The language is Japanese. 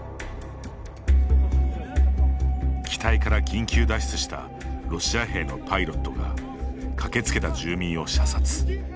機体から緊急脱出したロシア兵のパイロットが駆けつけた住民を射殺。